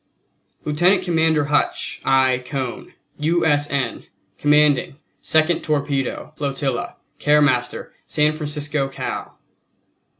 LIEUTENANT COMMANDER HUTCH. I. CONE, U. S. N., Commanding Second Torpedo Flotilla, Care Postmaster, San Francisco, Cal.